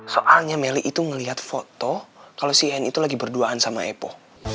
soalnya meli itu ngeliat foto kalo si annie itu lagi berduaan sama epo